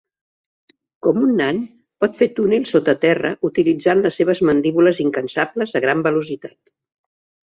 Com un nan, pot fer túnels sota terra utilitzant les seves mandíbules incansables a gran velocitat.